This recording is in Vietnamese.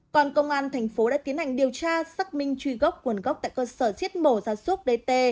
còn công an tp hcm đã tiến hành điều tra xác minh truy gốc nguồn gốc tại cơ sở diết mổ gia súc dt